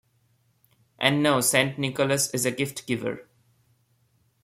And so, Saint Nicholas is a gift-giver.